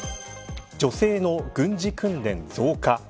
女性の軍事訓練増加。